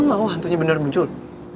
lo mau hantunya bener muncul